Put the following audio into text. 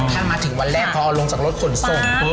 ถ้ามาถึงวันแรกเขาเอาลงจากรถส่วนส่ง